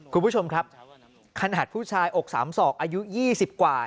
คุณผู้ชมครับขนาดผู้ชายอกสามศอกอายุ๒๐กว่า